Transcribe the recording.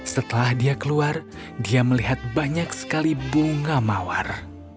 setelah dia keluar dia melihat banyak sekali bunga mawar